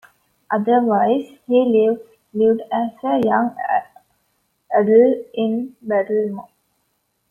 Otherwise, he lived as a young adult in Baltimore.